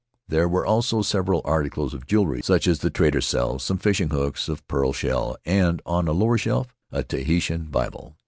There were also several articles of jewelry such as the traders sell, some fishing hooks of pearl shell, and, on a lower shelf, a Tahitian Bible.